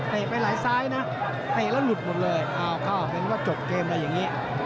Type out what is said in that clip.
เตะไปหลายซ้ายนะเตะแล้วหลุดหมดเลยเอาเข้าออกเป็นว่าจบเกมแล้วอย่างงี้